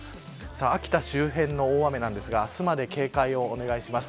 秋田周辺の大雨なんですが明日まで警戒をお願いします。